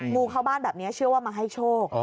งูเข้าบ้านแบบนี้เชื่อว่ามาให้โชค